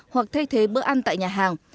hoặc thay thế bữa ăn tại nhà hàng